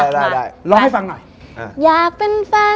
มาด้วยกันไงมาด้วยกัน